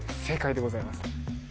正解でございます